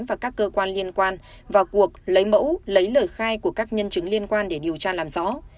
và các cơ quan liên quan vào cuộc lấy mẫu lấy lời khai của các nhân chứng liên quan để điều tra làm rõ